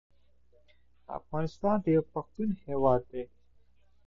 ازادي راډیو د بیکاري په اړه د بریاوو مثالونه ورکړي.